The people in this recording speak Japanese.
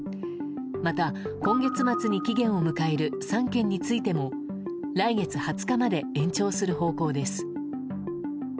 また、今月末に期限を迎える３県についても来月２０日まで延長する方向です。